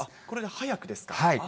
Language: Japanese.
これが早くですか。